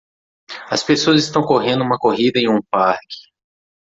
As pessoas estão correndo uma corrida em um parque.